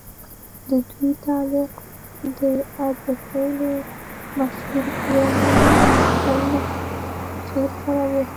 ددوي تعلق د عزيخېلو مشهورې کورنۍ اِمنه خېل سره وو